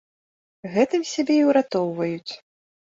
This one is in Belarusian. Гэтым сябе і ўратоўваюць.